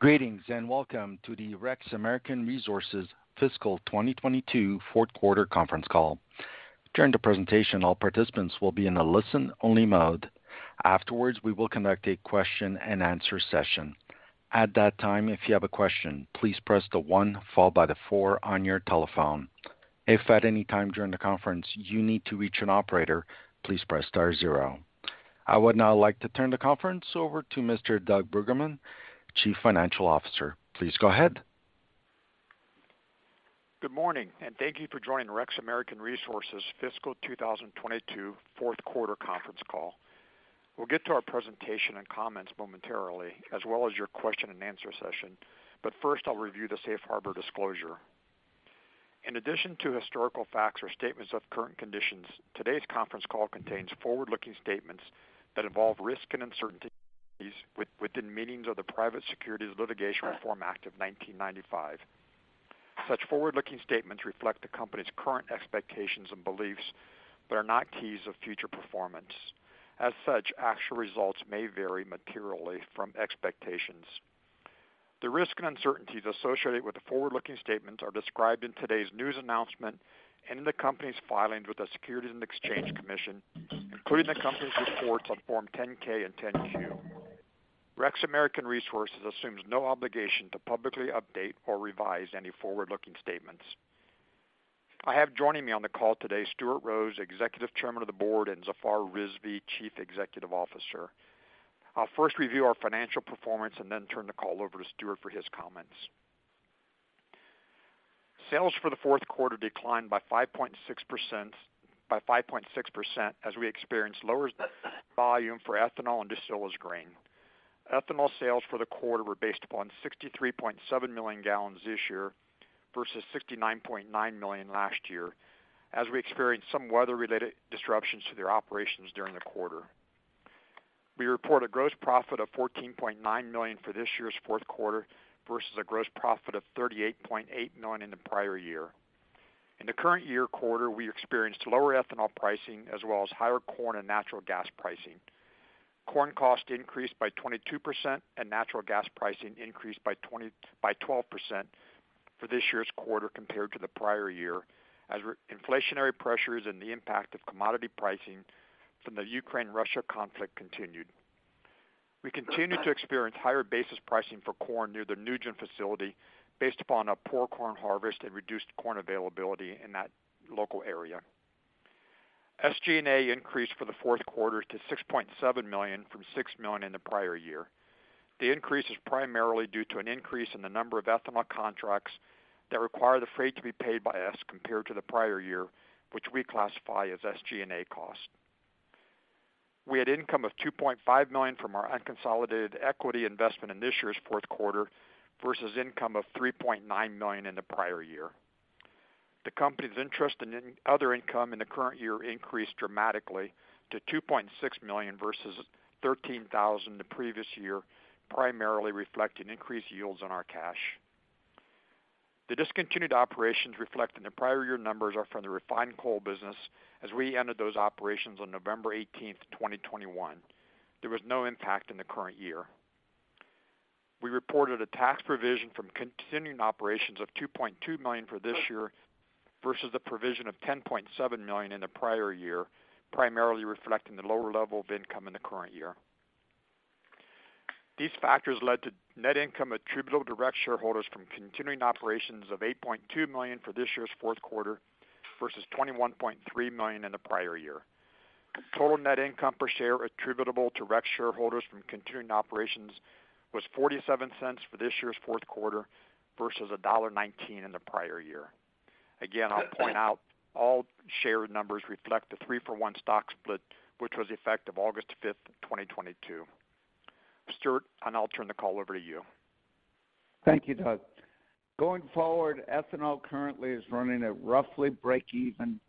Greetings, welcome to the REX American Resources Fiscal 2022 fourth quarter conference call. During the presentation, all participants will be in a listen-only mode. Afterwards, we will conduct a question-and-answer session. At that time, if you have a question, please press the one followed by the four on your telephone. If at any time during the conference you need to reach an operator, please press star zero. I would now like to turn the conference over to Mr. Doug Bruggeman, Chief Financial Officer. Please go ahead. Good morning, and thank you for joining REX American Resources Fiscal 2022 fourth quarter conference call. We'll get to our presentation and comments momentarily, as well as your question-and-answer session. First, I'll review the safe harbor disclosure. In addition to historical facts or statements of current conditions, today's conference call contains forward-looking statements that involve risks and uncertainties within meanings of the Private Securities Litigation Reform Act of 1995. Such forward-looking statements reflect the company's current expectations and beliefs, but are not keys of future performance. As such, actual results may vary materially from expectations. The risks and uncertainties associated with the forward-looking statements are described in today's news announcement and in the company's filings with the Securities and Exchange Commission, including the company's reports on Form 10-K and 10-Q. REX American Resources assumes no obligation to publicly update or revise any forward-looking statements. I have joining me on the call today Stuart Rose, Executive Chairman of the Board, and Zafar Rizvi, Chief Executive Officer. I'll first review our financial performance and then turn the call over to Stuart for his comments. Sales for the fourth quarter declined by 5.6% as we experienced lower volume for ethanol and distillers grains. Ethanol sales for the quarter were based upon 63.7 million gallons this year versus 69.9 million last year as we experienced some weather-related disruptions to their operations during the quarter. We report a gross profit of $14.9 million for this year's fourth quarter versus a gross profit of $38.8 million in the prior year. In the current year quarter, we experienced lower ethanol pricing as well as higher corn and natural gas pricing. Corn cost increased by 22%, and natural gas pricing increased by 12% for this year's quarter compared to the prior year as inflationary pressures and the impact of commodity pricing from the Ukraine-Russia conflict continued. We continue to experience higher basis pricing for corn near the NuGen facility based upon a poor corn harvest and reduced corn availability in that local area. SG&A increased for the fourth quarter to $6.7 million from $6 million in the prior year. The increase is primarily due to an increase in the number of ethanol contracts that require the freight to be paid by us compared to the prior year, which we classify as SG&A costs. We had income of $2.5 million from our unconsolidated equity investment in this year's fourth quarter versus income of $3.9 million in the prior year. The company's interest in other income in the current year increased dramatically to $2.6 million versus $13,000 the previous year, primarily reflecting increased yields on our cash. The discontinued operations reflected in the prior year numbers are from the refined coal business as we ended those operations on 18 November 2021. There was no impact in the current year. We reported a tax provision from continuing operations of $2.2 million for this year versus the provision of $10.7 million in the prior year, primarily reflecting the lower level of income in the current year. These factors led to net income attributable to REX shareholders from continuing operations of $8.2 million for this year's fourth quarter versus $21.3 million in the prior year. Total net income per share attributable to REX shareholders from continuing operations was $0.47 for this year's fourth quarter versus $1.19 in the prior year. Again, I'll point out all shared numbers reflect the three-for-one stock split, which was effective 5 August 2022. Stuart, I'll turn the call over to you. Thank you, Doug. Going forward, ethanol currently is running at roughly break even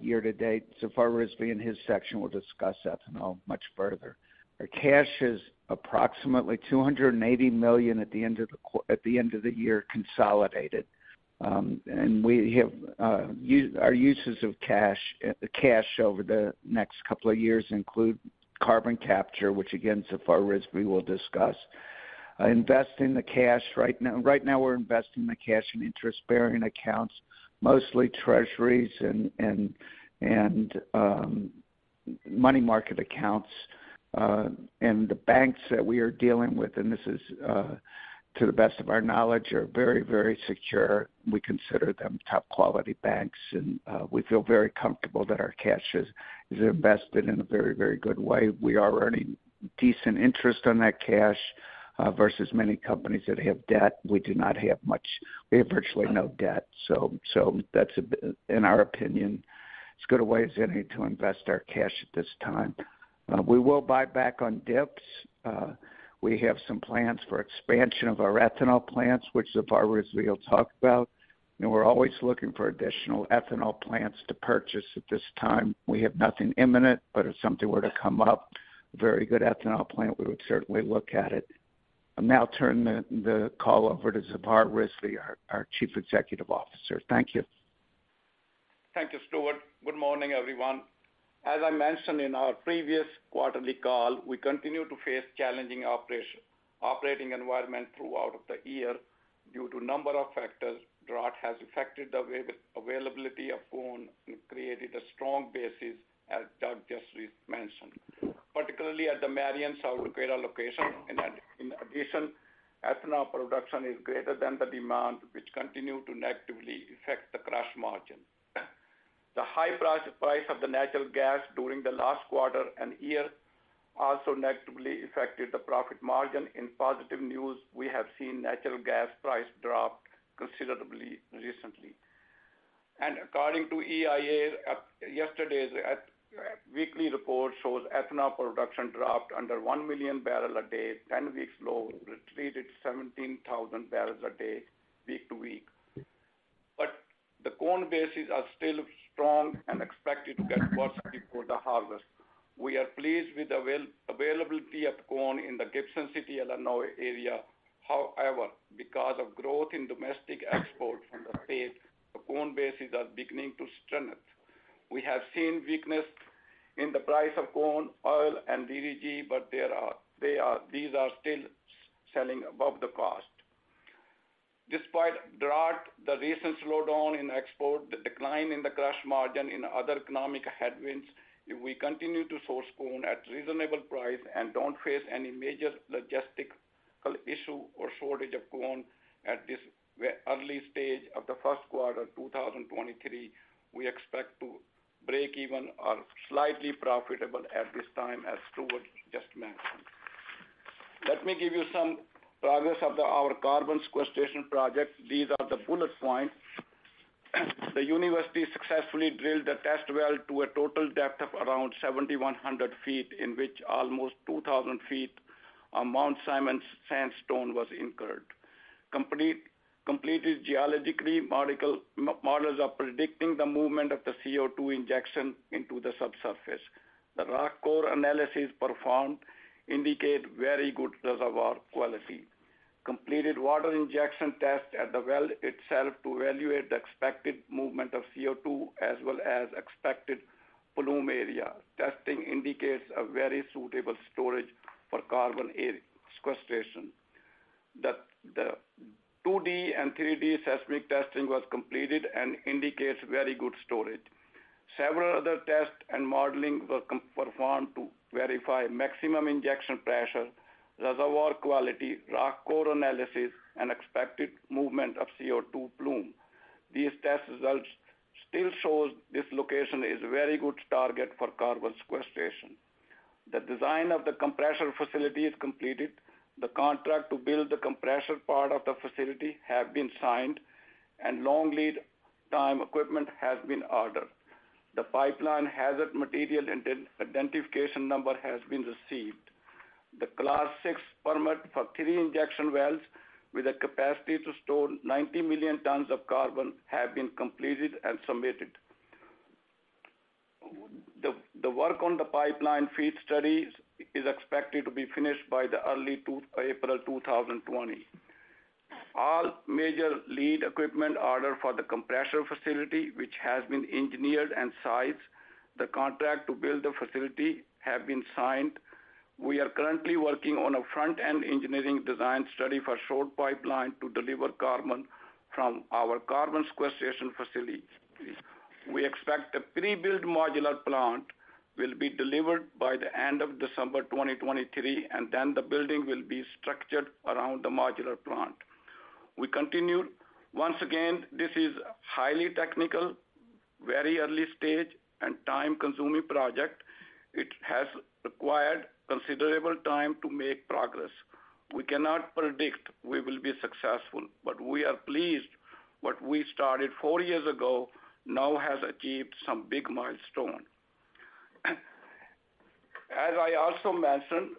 year to date. Zafar Rizvi in his section will discuss ethanol much further. Our cash is approximately $280 million at the end of the year consolidated. We have our uses of cash over the next couple of years include carbon capture, which again, Zafar Rizvi will discuss. Investing the cash right now we're investing the cash in interest-bearing accounts, mostly treasuries and money market accounts, and the banks that we are dealing with, this is to the best of our knowledge, are very, very secure. We consider them top quality banks, we feel very comfortable that our cash is invested in a very, very good way. We are earning decent interest on that cash, versus many companies that have debt. We do not have much. We have virtually no debt, so that's in our opinion, as good a way as any to invest our cash at this time. We will buy back on dips. We have some plans for expansion of our ethanol plants, which Zafar Rizvi will talk about. We're always looking for additional ethanol plants to purchase. At this time, we have nothing imminent, but if something were to come up, a very good ethanol plant, we would certainly look at it. I'll now turn the call over to Zafar Rizvi, our Chief Executive Officer. Thank you. Thank you, Stuart. Good morning, everyone. As I mentioned in our previous quarterly call, we continue to face challenging operating environment throughout the year due to number of factors. Drought has affected the availability of corn and created a strong basis, as Doug just re-mentioned. Particularly at the Marion, South Dakota location. In addition, ethanol production is greater than the demand which continue to negatively affect the crush margin. The high price of the natural gas during the last quarter and year also negatively affected the profit margin. In positive news, we have seen natural gas price drop considerably recently. According to EIA, yesterday's weekly report shows ethanol production dropped under 1 million barrel a day, 10 weeks low, retreated 17,000 barrels a day week to week. The corn basis are still strong and expected to get worse before the harvest. We are pleased with availability of corn in the Gibson City, Illinois area. However, because of growth in domestic exports from the state, the corn bases are beginning to strengthen. We have seen weakness in the price of corn, oil, and DDG, but they are still selling above the cost. Despite drought, the recent slowdown in export, the decline in the crush margin in other economic headwinds, if we continue to source corn at reasonable price and don't face any major logistical issue or shortage of corn at this early stage of the first quarter 2023, we expect to break even or slightly profitable at this time, as Stuart just mentioned. Let me give you some progress of our carbon sequestration project. These are the bullet points. The university successfully drilled a test well to a total depth of around 7,100 ft, in which almost 2,000 ft of Mount Simon sandstone was incurred. Completed geologically, models are predicting the movement of the CO2 injection into the subsurface. The rock core analysis performed indicate very good reservoir quality. Completed water injection test at the well itself to evaluate the expected movement of CO2, as well as expected plume area. Testing indicates a very suitable storage for carbon air sequestration. The 2D and 3D seismic testing was completed and indicates very good storage. Several other tests and modeling were performed to verify maximum injection pressure, reservoir quality, rock core analysis, and expected movement of CO2 plume. These test results still shows this location is very good target for carbon sequestration. The design of the compressor facility is completed. The contract to build the compressor part of the facility have been signed, and long lead time equipment has been ordered. The pipeline hazard material identification number has been received. The Class VI permit for three injection wells with a capacity to store 90 million tons of carbon have been completed and submitted. The work on the pipeline front-end engineering design studies is expected to be finished by early April 2020. All major lead equipment order for the compressor facility, which has been engineered and sized, the contract to build the facility have been signed. We are currently working on a front-end engineering design study for short pipeline to deliver carbon from our carbon sequestration facilities. We expect the pre-built modular plant will be delivered by the end of December 2023, and then the building will be structured around the modular plant. We continue. Once again, this is highly technical, very early stage, and time-consuming project. It has required considerable time to make progress. We cannot predict we will be successful, but we are pleased what we started four years ago now has achieved some big milestone. As I also mentioned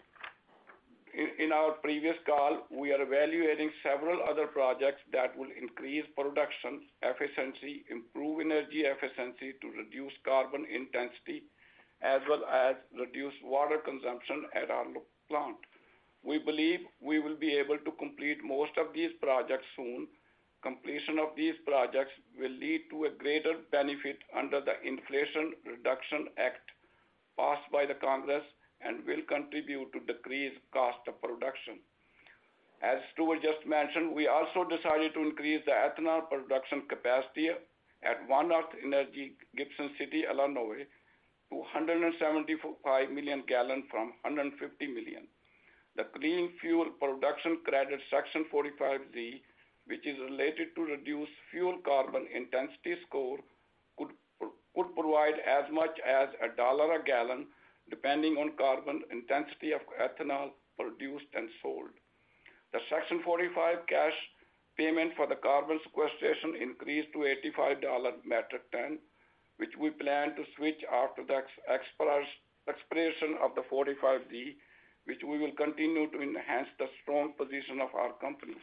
in our previous call, we are evaluating several other projects that will increase production efficiency, improve energy efficiency to reduce carbon intensity, as well as reduce water consumption at our new plant. We believe we will be able to complete most of these projects soon. Completion of these projects will lead to a greater benefit under the Inflation Reduction Act passed by the Congress and will contribute to decrease cost of production. As Stuart just mentioned, we also decided to increase the ethanol production capacity at One Earth Energy, Gibson City, Illinois, to 175 million gallon from 150 million. The clean fuel production credit Section 45Z, which is related to reduced fuel carbon intensity score, could provide as much as $1 a gallon, depending on carbon intensity of ethanol produced and sold. The Section 45Q cash payment for the carbon sequestration increased to $85 metric ton, which we plan to switch after the expiration of the 45Z, which we will continue to enhance the strong position of our company.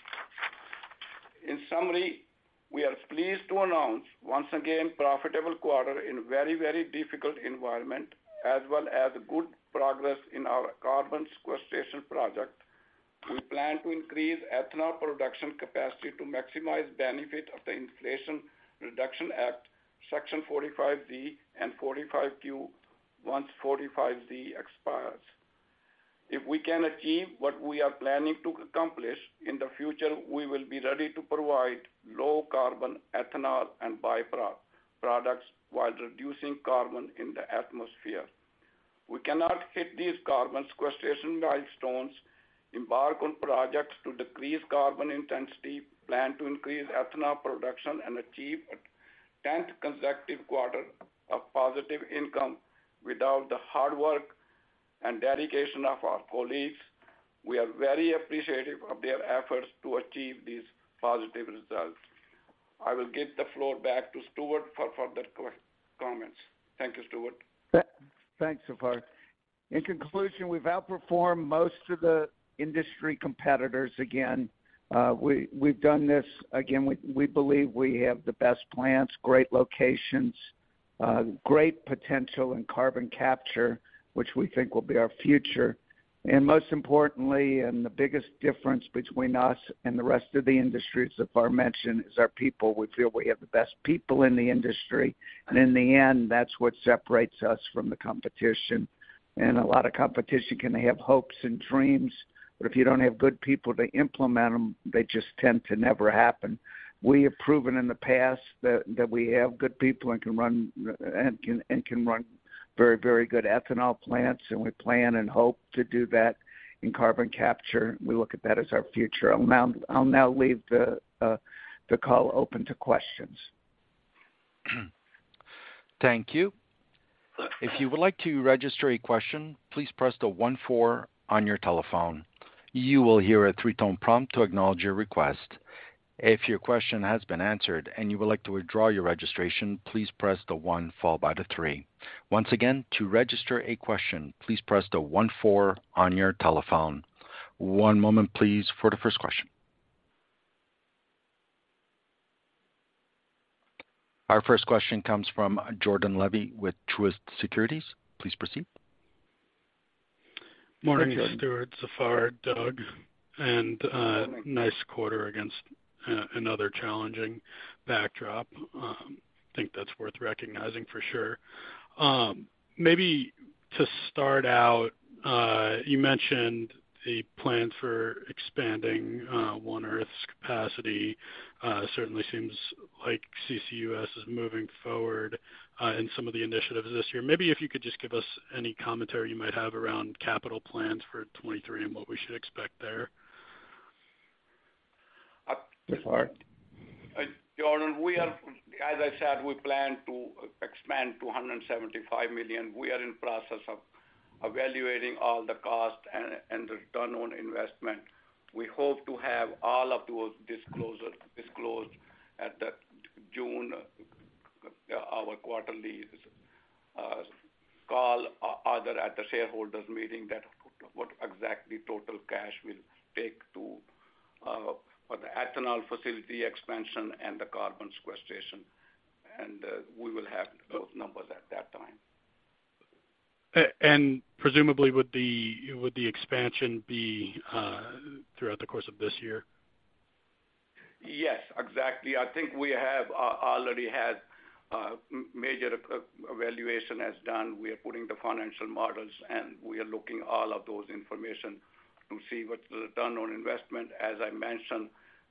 In summary, we are pleased to announce once again profitable quarter in very, very difficult environment, as well as good progress in our carbon sequestration project. We plan to increase ethanol production capacity to maximize benefit of the Inflation Reduction Act, Section 45Z and 45Q once 45Z expires. If we can achieve what we are planning to accomplish in the future, we will be ready to provide low carbon ethanol and byproducts while reducing carbon in the atmosphere. We cannot hit these carbon sequestration milestones, embark on projects to decrease carbon intensity, plan to increase ethanol production and achieve a tenth consecutive quarter of positive income without the hard work and dedication of our colleagues. We are very appreciative of their efforts to achieve these positive results. I will give the floor back to Stuart for further comments. Thank you, Stuart. Thanks, Zafar. In conclusion, we've outperformed most of the industry competitors again. We've done this. Again, we believe we have the best plants, great locations, great potential in carbon capture, which we think will be our future. Most importantly, and the biggest difference between us and the rest of the industry, as Zafar mentioned, is our people. We feel we have the best people in the industry, and in the end, that's what separates us from the competition. A lot of competition can have hopes and dreams, but if you don't have good people to implement them, they just tend to never happen. We have proven in the past that we have good people and can run, and can run very, very good ethanol plants, and we plan and hope to do that in carbon capture. We look at that as our future. I'll now leave the call open to questions. Thank you. If you would like to register a question, please press the one, four on your telephone. You will hear a three-tone prompt to acknowledge your request. If your question has been answered and you would like to withdraw your registration, please press the one followed by the three. Once again, to register a question, please press the one, four on your telephone. One moment please for the first question. Our first question comes from Jordan Levy with Truist Securities. Please proceed. Morning, Stuart, Zafar, Doug, and nice quarter against another challenging backdrop. I think that's worth recognizing for sure. Maybe to start out, you mentioned the plan for expanding One Earth's capacity. Certainly seems like CCUS is moving forward in some of the initiatives this year. Maybe if you could just give us any commentary you might have around capital plans for 2023 and what we should expect there. Zafar? Jordan, As I said, we plan to expand to $175 million. We are in process of evaluating all the cost and return on investment. We hope to have all of those disclosed at the June, our quarterly call, at the shareholders meeting that what exactly total cash will take to for the ethanol facility expansion and the carbon sequestration. We will have those numbers at that time. Presumably would the expansion be throughout the course of this year? Yes, exactly. I think we already had major evaluation as done. We are putting the financial models, and we are looking all of those information to see what's the return on investment. As I mentioned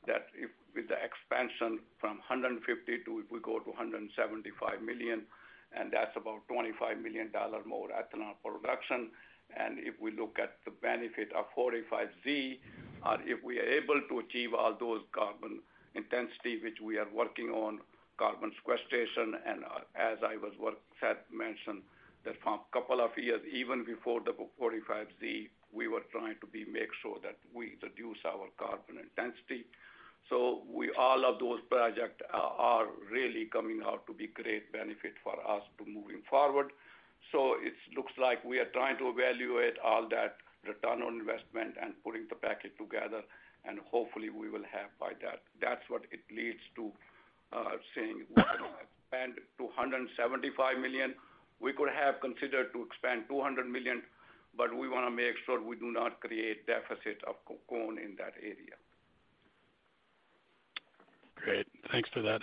that with the expansion from 150 to if we go to 175 million, and that's about $25 million more ethanol production. If we look at the benefit of 45Z, if we are able to achieve all those carbon intensity, which we are working on carbon sequestration. As I was had mentioned that for a couple of years, even before the 45Z, we were trying to be make sure that we reduce our carbon intensity. All of those projects are really coming out to be great benefit for us to moving forward. It's looks like we are trying to evaluate all that return on investment and putting the package together, and hopefully we will have by that. That's what it leads to, saying we're gonna expand to $175 million. We could have considered to expand $200 million, but we wanna make sure we do not create deficit of co-corn in that area. Great. Thanks for that.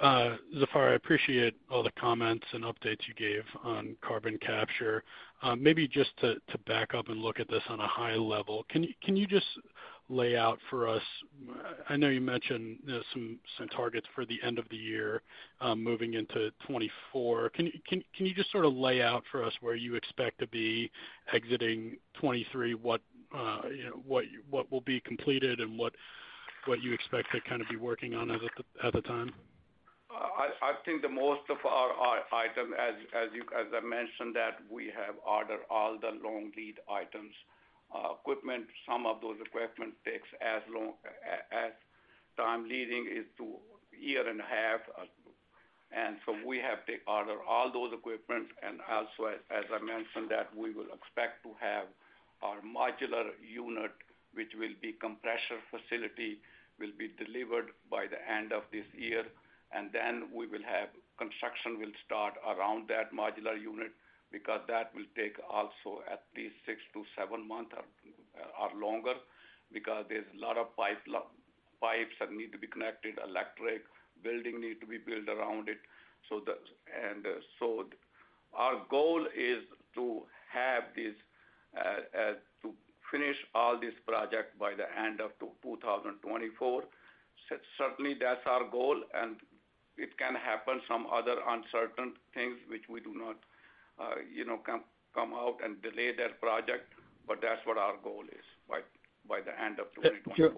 Zafar, I appreciate all the comments and updates you gave on carbon capture. Maybe just to back up and look at this on a high level, can you just lay out for us? I know you mentioned some targets for the end of the year, moving into 2024. Can you just sort of lay out for us where you expect to be exiting 2023? What, you know, what will be completed and what you expect to kind of be working on at the time? I think the most of our item as I mentioned that we have ordered all the long lead items, equipment. Some of those equipment takes as long as time leading is to a year and a half. We have to order all those equipment. As I mentioned that we will expect to have our modular unit, which will be compressor facility, will be delivered by the end of this year. We will have construction will start around that modular unit because that will take also at least six to seven months or longer because there's a lot of pipes that need to be connected, electric, building need to be built around it. Our goal is to have this to finish all this project by the end of 2024. Certainly, that's our goal, and it can happen some other uncertain things which we do not, you know, come out and delay that project. That's what our goal is by the end of 2024.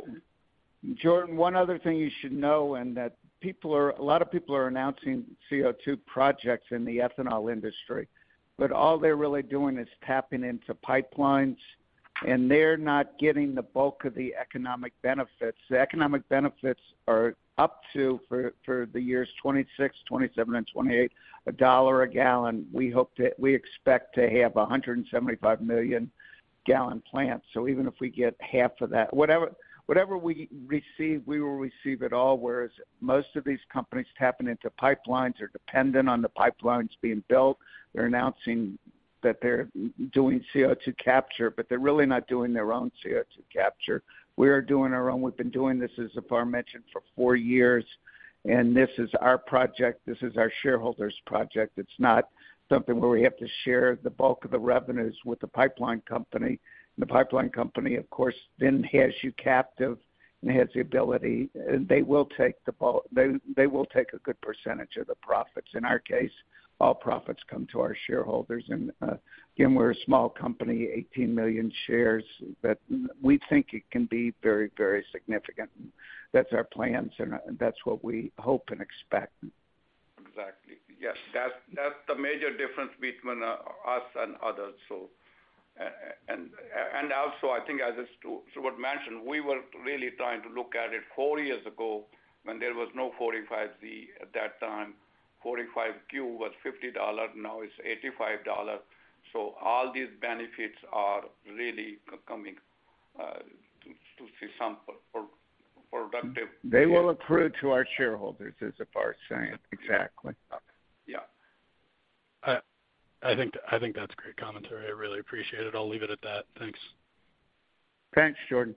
Jordan, one other thing you should know, a lot of people are announcing CO2 projects in the ethanol industry, but all they're really doing is tapping into pipelines, and they're not getting the bulk of the economic benefits. The economic benefits are up to, for the years 2026, 2027 and 2028, $1 a gallon. We expect to have a 175 million gallon plant. Even if we get half of that. Whatever we receive, we will receive it all, whereas most of these companies tapping into pipelines are dependent on the pipelines being built. They're announcing that they're doing CO2 capture, but they're really not doing their own CO2 capture. We are doing our own. We've been doing this, as Zafar mentioned, for four years, and this is our project. This is our shareholders project. It's not something where we have to share the bulk of the revenues with the pipeline company. The pipeline company, of course, then has you captive and has the ability. They will take the bulk. They will take a good percentage of the profits. In our case, all profits come to our shareholders. Again, we're a small company, 18 million shares, but we think it can be very, very significant. That's our plans, and that's what we hope and expect. Exactly. Yes. That's the major difference between us and others. And also, I think as Stuart mentioned, we were really trying to look at it four years ago when there was no 45Z. At that time, 45Q was $50, now it's $85. All these benefits are really coming to see some pro-productive... They will accrue to our shareholders, as Zafar is saying. Exactly. Yeah. I think that's great commentary. I really appreciate it. I'll leave it at that. Thanks. Thanks, Jordan.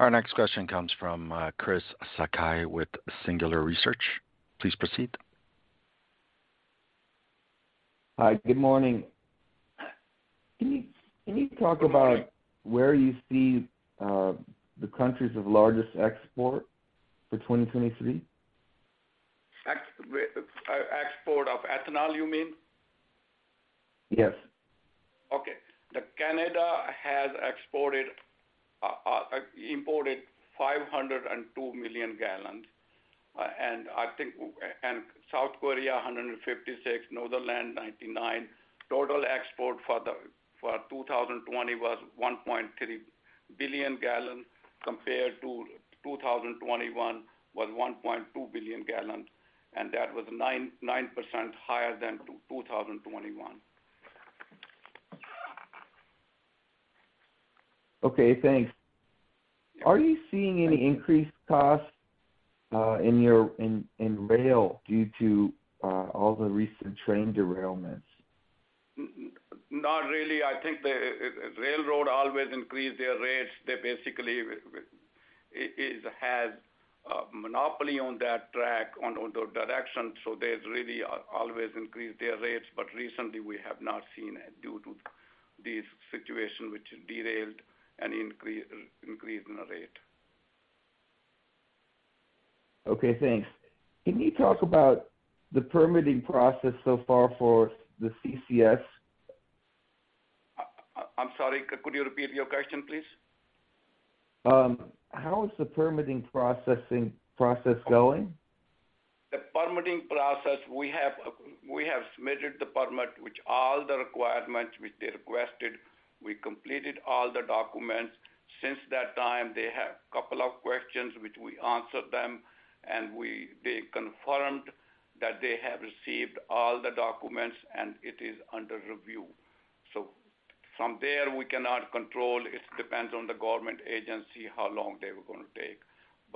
Our next question comes from Chris Sakai with Singular Research. Please proceed. Hi. Good morning. Can you talk about where you see the countries of largest export for 2023? Export of ethanol, you mean? Yes. Okay. The Canada has exported imported 502 million gallons. South Korea, 156 gallons. Netherlands, 99 gallons. Total export for 2020 was 1.3 billion gallons, compared to 2021 was 1.2 billion gallons, and that was 9% higher than 2021. Okay, thanks. Are you seeing any increased costs, in rail due to all the recent train derailments? Not really. I think the railroad always increase their rates. They basically has a monopoly on that track, on the direction, so they really always increase their rates. Recently we have not seen it due to this situation, which derailed any increase in the rate. Okay, thanks. Can you talk about the permitting process so far for the CCS? I'm sorry. Could you repeat your question, please? How is the permitting process going? The permitting process, we have submitted the permit, which all the requirements which they requested. We completed all the documents. Since that time, they have couple of questions which we answered them, and they confirmed that they have received all the documents, and it is under review. From there, we cannot control. It depends on the government agency, how long they were gonna take.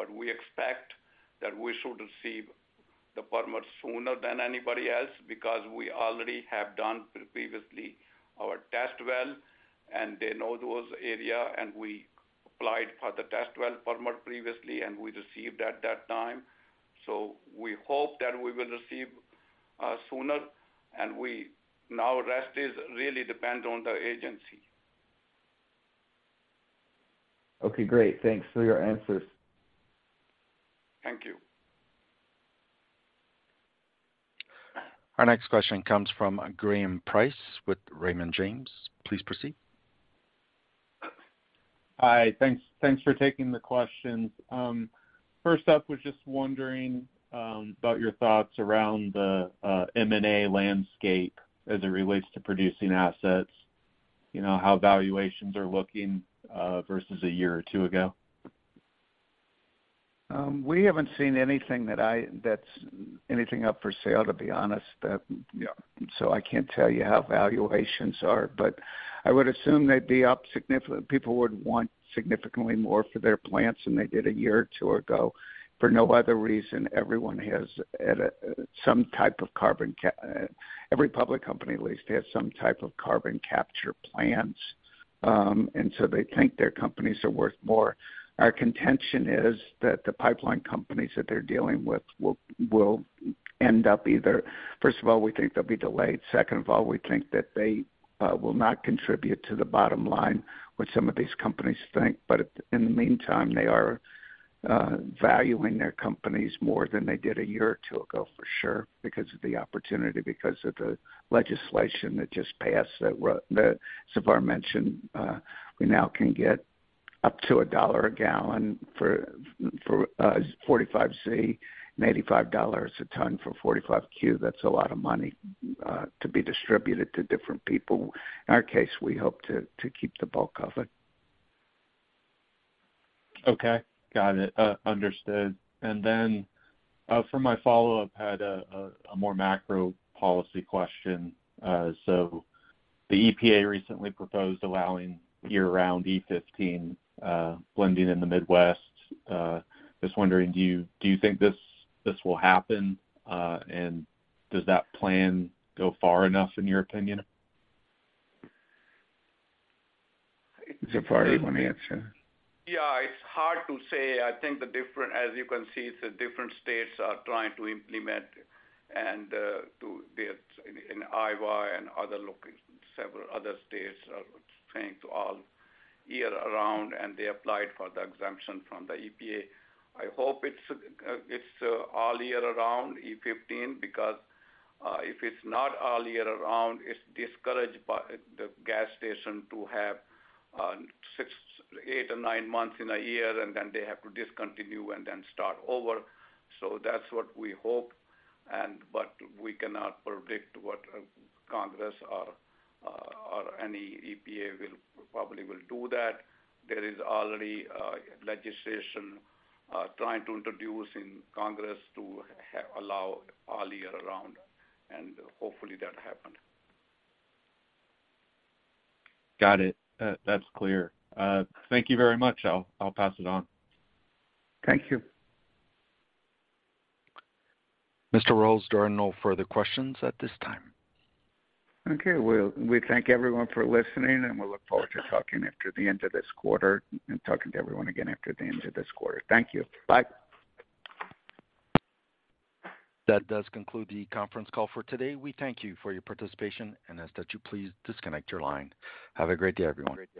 We expect that we should receive the permit sooner than anybody else because we already have done previously our test well, and they know those area, and we applied for the test well permit previously, and we received at that time. We hope that we will receive sooner. We now rest is really depend on the agency. Okay, great. Thanks for your answers. Thank you. Our next question comes from Graham Price with Raymond James. Please proceed. Hi. Thanks. Thanks for taking the questions. First up, was just wondering about your thoughts around the M&A landscape as it relates to producing assets, you know, how valuations are looking versus a year or two ago? We haven't seen anything that's anything up for sale, to be honest. you know, so I can't tell you how valuations are, but I would assume they'd be up significant. People would want significantly more for their plants than they did a year or two ago, for no other reason everyone has at some type of carbon capture plans. They think their companies are worth more. Our contention is that the pipeline companies that they're dealing with will end up either... first of all, we think they'll be delayed. Second of all, we think that they will not contribute to the bottom line what some of these companies think. In the meantime, they are valuing their companies more than they did a year or two ago, for sure, because of the opportunity, because of the legislation that just passed that Zafar mentioned. We now can get up to $1 a gallon for 45Z and $85 a ton for 45Q. That's a lot of money to be distributed to different people. In our case, we hope to keep the bulk of it. Okay. Got it. Understood. For my follow-up, I had a more macro policy question. The EPA recently proposed allowing year-round E15 blending in the Midwest. Just wondering, do you think this will happen? Does that plan go far enough in your opinion? Zafar, you wanna answer? Yeah, it's hard to say. I think as you can see, the different states are trying to implement and to build in Iowa and other locations. Several other states are trying to all year round, they applied for the exemption from the EPA. I hope it's it's all year around E15, because if it's not all year around, it's discouraged by the gas station to have six, eight or nine months in a year, they have to discontinue and then start over. That's what we hope. We cannot predict what Congress or any EPA will probably do that. There is already legislation trying to introduce in Congress to have allowed all year around, hopefully that happened. Got it. That's clear. Thank you very much. I'll pass it on. Thank you. Mr. Rose, there are no further questions at this time. Okay. Well, we thank everyone for listening, and we'll look forward to talking after the end of this quarter and talking to everyone again after the end of this quarter. Thank you. Bye. That does conclude the conference call for today. We thank you for your participation and ask that you please disconnect your line. Have a great day, everyone.